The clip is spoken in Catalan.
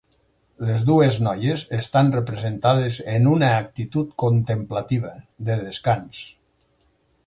Les dues noies estan representades en una actitud contemplativa, de descans.